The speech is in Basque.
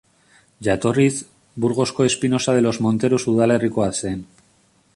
Jatorriz, Burgosko Espinosa de los Monteros udalerrikoa zen.